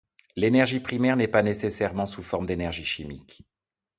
L'énergie primaire n'est pas nécessairement sous forme d’énergie chimique.